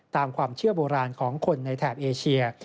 ตามความเชื่อโบราณของคนในแถบเอเชีย